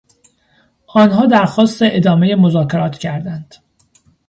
آنها درخواست ادامهی مذاکرات کردند.